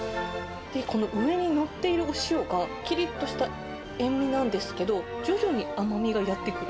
この上に載っているお塩が、きりっとした塩味なんですけど、徐々に甘みがやって来る。